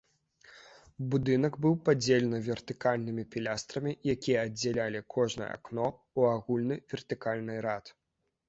Будынак быў падзелены вертыкальнымі пілястрамі, якія аддзялялі кожнае акно ў агульны вертыкальны рад.